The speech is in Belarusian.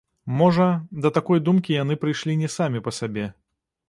Можа, да такой думкі яны прыйшлі не самі па сабе.